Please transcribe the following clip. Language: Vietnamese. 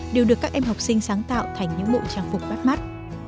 đều được các em học sinh sáng tạo thành những bộ trang phục bắt mắt